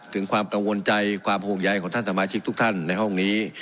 ถึงความกังวลใจความห่วงใยของท่านสมาชิกทุกท่านในห้องนี้